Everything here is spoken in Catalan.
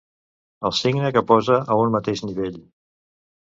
El signe que posa a un mateix nivell.